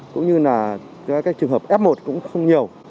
cũng như là các trường hợp f một cũng không nhiều